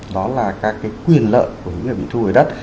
đó là các quyền lợi của những người bị thu hồi đất